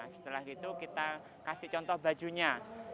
setelah itu kita kasih contoh bajunya